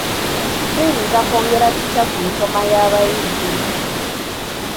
Tuyinza kwongera tutya ku nsoma y'abayizi?